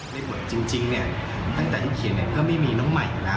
บทจริงเนี่ยตั้งแต่ที่เขียนเนี่ยก็ไม่มีน้องใหม่อยู่แล้ว